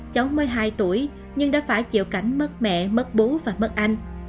cháu mới hai tuổi nhưng đã phải chịu cảnh mất mẹ mất bố và mất anh